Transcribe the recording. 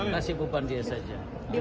kasih pukulannya saja